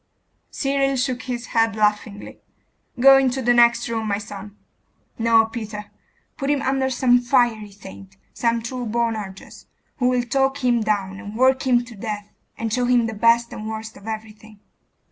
Cyril shook his head laughingly.... 'Go into the next room, my son .... No, Peter, put him under some fiery saint, some true Boanerges, who will talk him down, and work him to death, and show him the best and worst of everything.